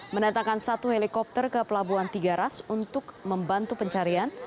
mendatangkan satu helikopter ke pelabuhan tiga ras untuk membantu pencarian